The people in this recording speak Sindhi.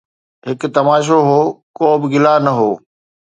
هڪ تماشو هو، ڪو به گلا نه هو